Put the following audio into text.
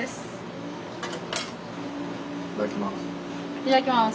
いただきます。